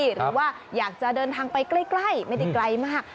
หรือว่าอยากจะเดินทางไปใกล้ไม่ได้ไกลมาก